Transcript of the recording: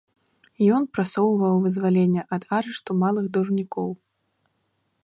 Ён прасоўваў вызваленне ад арышту малых даўжнікоў.